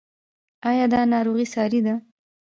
ایا دا ناروغي ساري ده؟